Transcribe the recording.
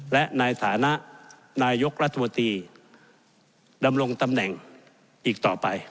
และในฐานะนายกรัฐมนตรีดำรงตำแหน่งอีกต่อไป